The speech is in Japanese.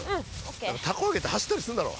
たこあげって走ったりすんだろ。